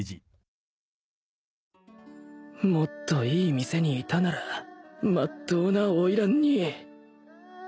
もっといい店にいたならまっとうな花魁に